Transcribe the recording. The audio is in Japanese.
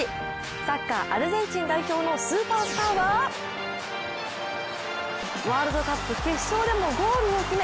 サッカーアルゼンチン代表のスーパースターはワールドカップ決勝でもゴールを決め